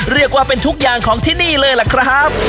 เรียกว่าเป็นทุกอย่างของที่นี่เลยล่ะครับ